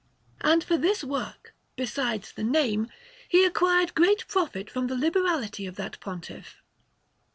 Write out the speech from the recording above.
And for this work, besides the name, he acquired great profit from the liberality of that Pontiff.